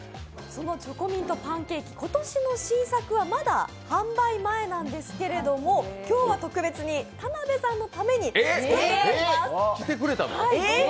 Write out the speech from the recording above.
そのチョコミントパンケーキ、今年の新作はまだ販売前なんですけれども、今日は特別に田辺さんのために作ってくれます。